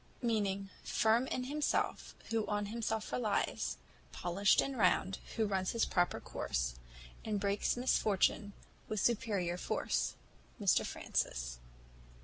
_"[*][*] Firm in himself, who on himself relies, Polish'd and round, who runs his proper course And breaks misfortunes with superior force. MR FRANCIS.